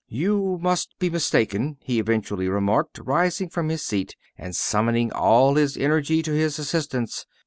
"You must be mistaken," he eventually remarked, rising from his seat and summoning all his energy to his assistance.